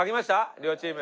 両チーム。